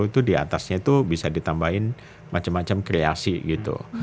itu diatasnya itu bisa ditambahin macam macam kreasi gitu